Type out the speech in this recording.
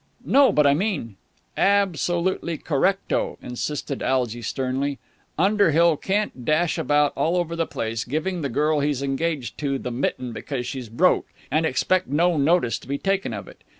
"No, but I mean...." "Absolutely correct o," insisted Algy sternly. "Underhill can't dash about all over the place giving the girl he's engaged to the mitten because she's broke, and expect no notice to be taken of it.